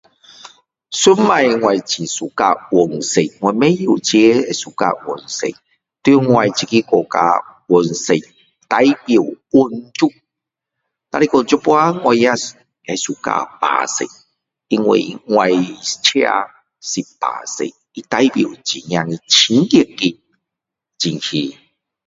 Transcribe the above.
以前我很喜欢黄色我不知道为什么会喜欢黄色在我这个国家黄色代表皇族只是说现在我也喜欢白色因为我车是白色他代表真正清洁的情形